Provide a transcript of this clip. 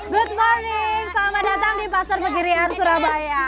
good morning selamat datang di pasar pegirian surabaya